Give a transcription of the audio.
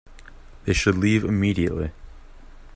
They should leave immediately.